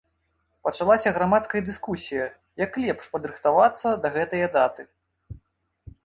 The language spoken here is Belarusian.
Пачалася грамадская дыскусія, як лепш падрыхтавацца да гэтае даты.